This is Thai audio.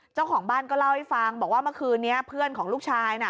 เจ้าของบ้านก็เล่าให้ฟังบอกว่าเมื่อคืนนี้เพื่อนของลูกชายน่ะ